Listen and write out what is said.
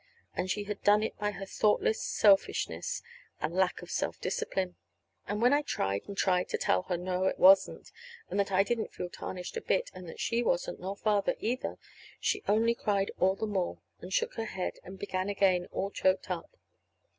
And she had done it by her thoughtless selfishness and lack of self discipline. And when I tried and tried to tell her no, it wasn't, and that I didn't feel tarnished a bit, and that she wasn't, nor Father either, she only cried all the more, and shook her head and began again, all choked up.